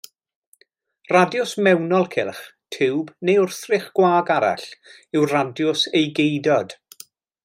Radiws mewnol cylch, tiwb neu wrthrych gwag arall yw radiws ei geudod.